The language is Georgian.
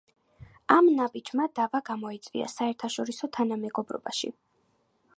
ამ ნაბიჯმა დავა გამოიწვია საერთაშორისო თანამეგობრობაში.